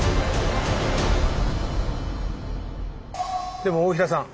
でも大平さん。